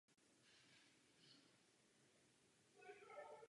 Svátek má Ingrid.